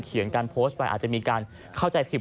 การโพสต์ไปอาจจะมีการเข้าใจผิด